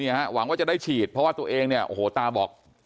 หวังว่าจะได้ฉีดเพราะว่าตัวเองเนี่ยโอ้โหตาบอก